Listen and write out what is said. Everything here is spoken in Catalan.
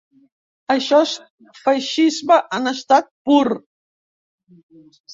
Això és feixisme en estat pur.